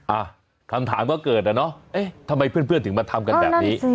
อ่ะคำถามก็เกิดอะเนาะเอ๊ะทำไมเพื่อนถึงมาทำกันแบบนี้